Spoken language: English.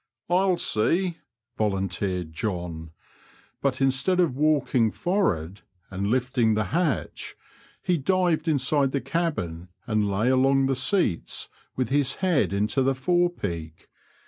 '* I'll see," volunteered John ; but instead of walking for'ard " and lifting the hatch, he dived inside the cabin and lay along the seats with his head into the fore peak.